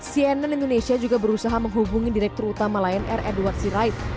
cnn indonesia juga berusaha menghubungi direktur utama lion air edward sirait